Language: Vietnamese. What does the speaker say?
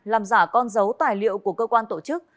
làm giả con dấu tài liệu của cơ quan tổ chức